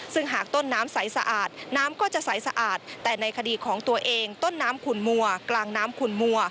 ซึ่งหากต้นน้ำใสสะอาดน้ำก็จะใสสะอาดแต่ในคดีของตัวเองต้นน้ำขุนมัวกลางน้ำขุนมัว